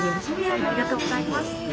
ありがとうございます。